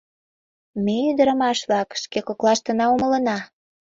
Ме, ӱдырамаш-влак, шке коклаштына умылена.